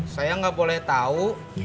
saya gak boleh tahu